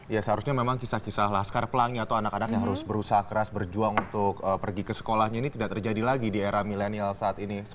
ya seharusnya memang kisah kisah laskar pelangi atau anak anak yang harus berusaha keras berjuang untuk pergi ke sekolahnya ini tidak terjadi lagi di era milenial saat ini